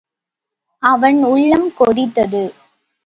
அவன் உள்ளம் கொதித்தது.